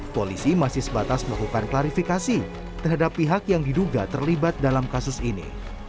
polisi masih sebatas melakukan klarifikasi terhadap pihak yang diduga terlibat dalam kasus ini